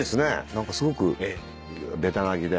何かすごくべたなぎで。